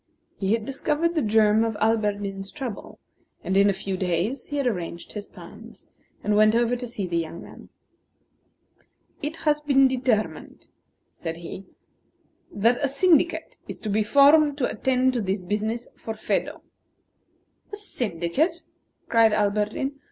He had discovered the germ of Alberdin's trouble; and in a few days he had arranged his plans, and went over to see the young man. "It has been determined," said he, "that a syndicate is to be formed to attend to this business for Phedo." "A syndicate!" cried Alberdin.